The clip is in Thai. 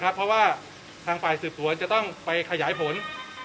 เพราะว่าทางฝ่ายสืบสวนจะต้องไปขยายผล